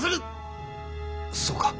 そうか。